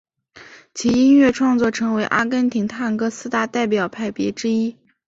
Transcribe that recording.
其音乐创作成为阿根廷探戈四大代表派别之一。